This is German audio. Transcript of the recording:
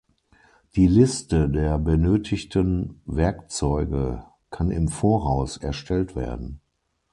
Die Liste der benötigten Werkzeuge kann im Voraus erstellt werden.